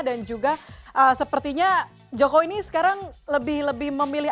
dan juga sepertinya jokowi ini sekarang lebih lebih memilih